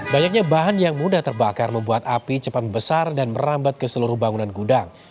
banyaknya bahan yang mudah terbakar membuat api cepat besar dan merambat ke seluruh bangunan gudang